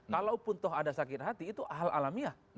kalaupun toh ada sakit hati itu hal alamiah